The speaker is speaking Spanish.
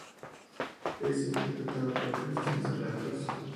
Es interpretada por Christian Serratos.